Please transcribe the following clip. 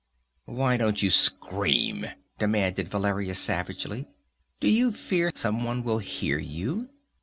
"Why don't you scream?" demanded Valeria savagely. "Do you fear someone will hear you?